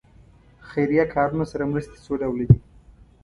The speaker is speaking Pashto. خیریه کارونو سره مرستې څو ډوله دي.